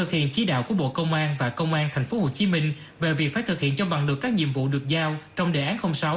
hiện chỉ đạo của bộ công an và công an thành phố hồ chí minh về việc phải thực hiện cho bằng được các nhiệm vụ được giao trong đề án sáu